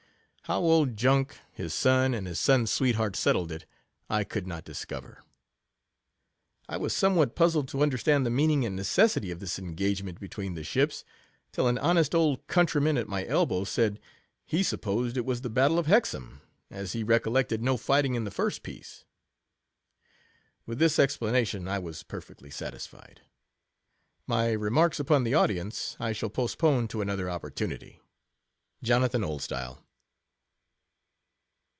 How old Junk, his son, and his son's sweetheart, set tled it, I could not discover. I was somewhat puzzled to underd, I the meaning and necessity of this engager! t be tween the ships, till an honest old c ntry man at my elbow said, he supposed £1 r was the Battle of Hexharn, as he recoiled ad no fighting in the first piece. With this Wpla nation I was perfectly satisfied. My remarks upon the audience, I shall postpone to another opportunity. Jonathan Oldstyle.